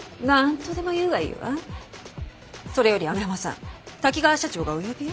それより網浜さん滝川社長がお呼びよ。